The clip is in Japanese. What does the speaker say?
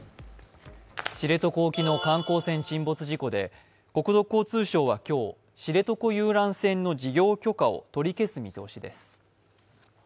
知床沖の観光船沈没事故で国土交通省は今日、知床遊覧船の事業許可を取り消す見通しです。